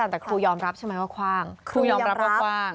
ตรูยอมรับใช่ไหมว่าคว่าง